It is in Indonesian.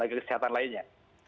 dan tenaga kesehatan lainnya